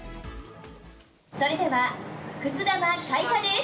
それではくす玉開花です。